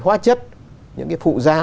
hóa chất những cái phụ da